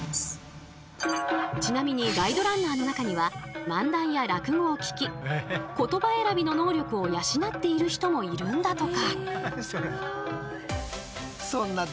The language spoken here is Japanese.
ちなみにガイドランナーの中には漫談や落語を聴き言葉選びの能力を養っている人もいるんだとか。